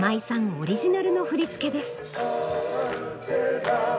オリジナルの振り付けです。